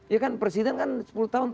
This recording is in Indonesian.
ya kan presiden kan sepuluh tahun